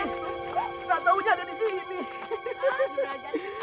kita tahunya ada di sini